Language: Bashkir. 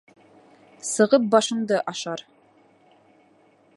Сығып башыңды ашар.